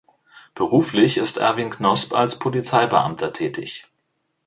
Beruflich ist Erwin Knosp als Polizeibeamter tätig.